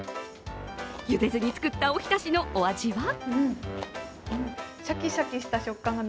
茹でに作ったおひたしのお味は？